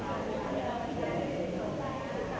สวัสดีครับทุกคน